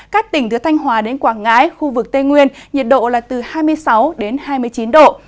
các tỉnh từ thanh hòa đến quảng ngãi khu vực tây nguyên nhiệt độ là từ hai mươi sáu đến hai mươi chín độ